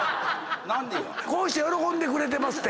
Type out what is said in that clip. こうして喜んでくれてますって。